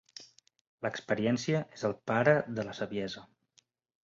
L'experiència és el pare de la saviesa.